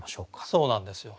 そうなんですよ。